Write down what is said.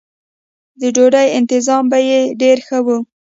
د ډوډۍ انتظام به یې ډېر ښه و.